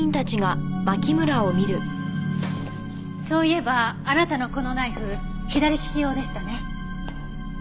そういえばあなたのこのナイフ左利き用でしたね。